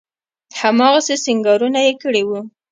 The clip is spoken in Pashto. هماغسې سينګارونه يې کړي وو.